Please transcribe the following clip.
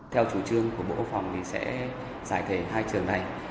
theo chủ trương của bộ quốc phòng thì sẽ giải thể hai trường này